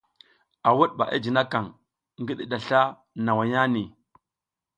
A wuɗ ɓa i jinikaƞ ngi ɗiɗa sla nawaya nihi.